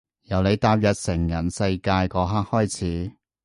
由你踏入成人世界嗰刻開始